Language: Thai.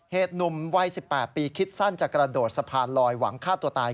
หนุ่มวัย๑๘ปีคิดสั้นจะกระโดดสะพานลอยหวังฆ่าตัวตาย